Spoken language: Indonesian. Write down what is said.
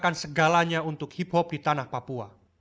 epo mengusahakan segalanya untuk hip hop di tanah papua